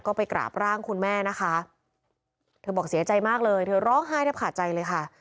ก็ไปกราบร่างคุณแม่นะคะเธอบอกเสียใจมากเลยเธอร้องไห้แทบขาดใจเลยค่ะ